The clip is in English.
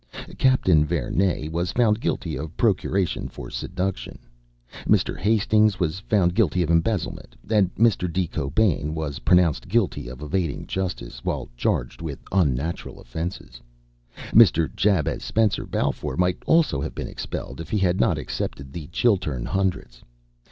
Captain Verney was found guilty of procuration for seduction, Mr. Hastings was found guilty of embezzlement, and Mr. De Cobain was pronounced guilty of evading justice, while charged with unnatural offences. Mr. Jabez Spencer Balfour might also have been expelled, if he had not accepted the Chiltern Hundreds.